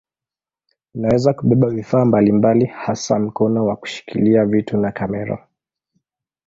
Inaweza kubeba vifaa mbalimbali hasa mkono wa kushikilia vitu na kamera.